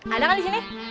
ada kan disini